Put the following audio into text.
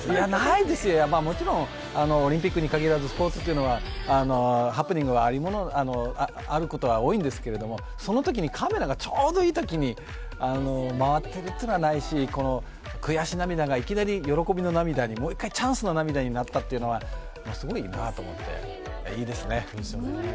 もちろんオリンピックに限らずスポーツというのはハプニングはあることは多いんですけれどもそのときにカメラがちょうどいい時に回ってるというのはないし、悔し涙がいきなり喜びの涙に、もう一回チャンスの涙になったというのはすごいなと思って、いいですね。